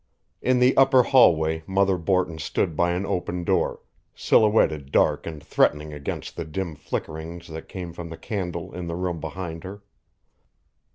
In the upper hallway Mother Borton stood by an open door, silhouetted dark and threatening against the dim flickerings that came from the candle in the room behind her.